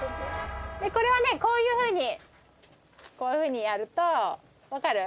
これはねこういうふうにこういうふうにやるとわかる？